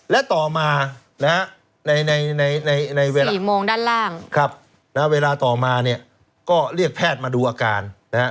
และต่อมา๔โมงด้านล่างเวลาต่อมาก็เรียกแพทย์มาดูอาการ